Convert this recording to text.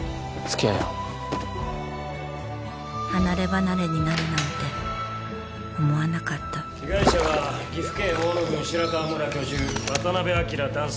離ればなれになるなんて思わなかった被害者は岐阜県大野郡白川村居住渡辺昭男性